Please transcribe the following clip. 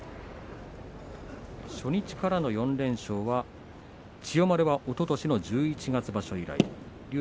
初日からの４連勝は千代丸はおととしの十一月場所以来竜